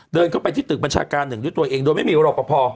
เดินเข้าไปที่ตึกบัญชาการหนึ่งด้วยตัวเองโดยไม่มีรอปภ